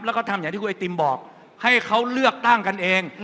แล้วก็ทำอย่างที่คุณไอติมบอกให้เขาเลือกตั้งกันเอง